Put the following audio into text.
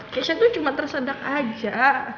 kesya tuh cuma tersedak aja